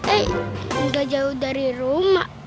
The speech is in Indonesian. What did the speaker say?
eh udah jauh dari rumah